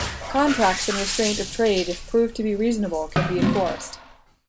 Contracts in restraint of trade if proved to be reasonable can be enforced.